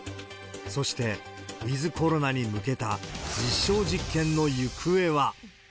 そして、ウィズコロナに向けた実証実験の行方は。